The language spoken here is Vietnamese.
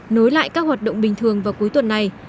nối lại các hoạt động bình thường vào cuối tuần này